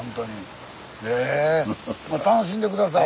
楽しんで下さい。